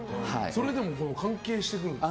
それでも関係してくるんですか？